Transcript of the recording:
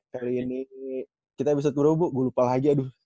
kali ini kita episode beroboh gue lupa lagi aduh